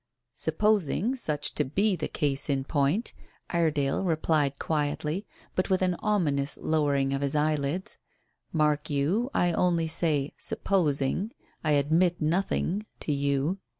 "Supposing such to be the case in point," Iredale replied quietly, but with an ominous lowering of his eyelids. "Mark you, I only say 'supposing.' I admit nothing to you.